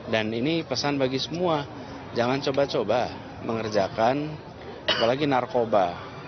dan ini pesan bagi semua jangan coba coba mengerjakan apalagi narkoba